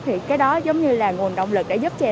thì cái đó giống như là nguồn động lực để giúp chè